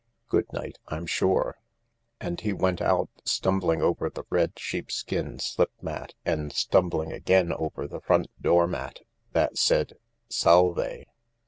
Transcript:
Good night, I'm sure." And he went out, stumbling over the red sheepskin slip mat and stum bli ng again o ver t he front door mat that said "Salve